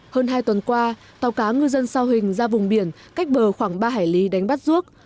hơn hai tuần qua tàu cá ngư dân sau hình ra vùng biển cách bờ khoảng ba hải lý đánh bắt ruốc